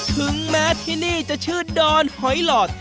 ถึงแม้ที่นี่จะชื่อดอนหอยหลอด